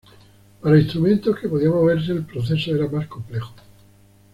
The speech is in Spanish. Para instrumentos que podían moverse el proceso era más complejo.